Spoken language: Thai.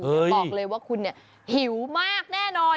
บอกเลยว่าคุณเนี่ยหิวมากแน่นอน